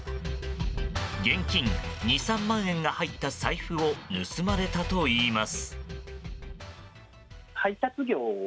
現金２３万円が入った財布を盗まれたといいます。